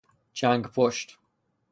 چنگ پشت